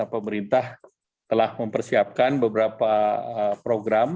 pemerintah telah mempersiapkan beberapa program